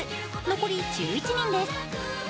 残り１１人です。